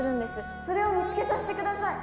・それを見つけさせて下さい。